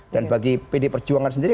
dan bagi pd perjuangan sendiri